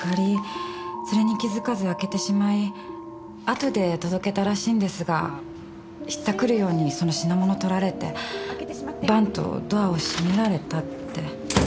あとで届けたらしいんですがひったくるようにその品物取られてバン！とドアを閉められたって。